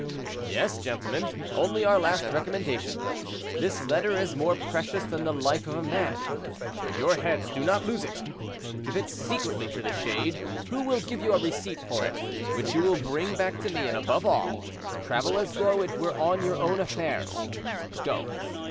"Yes, gentlemen; only our last recommendation. This letter is more precious than the life of a man—for your heads, do not lose it; give it secretly to the Shade, who will give you a receipt for it, which you will bring back to me; and, above all, travel as though it were on your own affairs. Go."